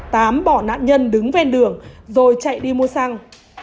tám bỏ nạn nhân đứng ven đường rồi chạy đi mua xăng